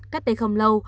cách đây không lâu